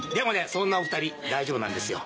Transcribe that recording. そんなお２人大丈夫なんですよ。